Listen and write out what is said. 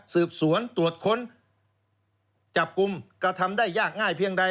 สืบสวนตรวจค้นจับกลุ่มกระทำได้ยากง่ายเพียงใด